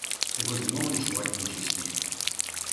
У гэты момант чуваць нечый смех.